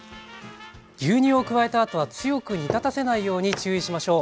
牛乳を加えたあとは強く煮立たせないように注意しましょう。